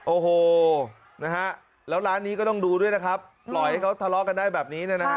โอ้โหนะฮะแล้วร้านนี้ก็ต้องดูด้วยนะครับปล่อยให้เขาทะเลาะกันได้แบบนี้นะฮะ